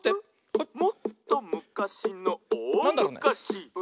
「もっとむかしのおおむかし」